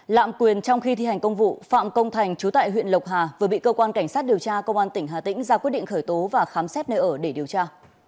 lạm quyền trong khi thi hành công vụ phạm công thành chú tại huyện lộc hà vừa bị cơ quan cảnh sát điều tra công an tỉnh hà tĩnh ra quyết định khởi tố và khám xét nơi ở để điều tra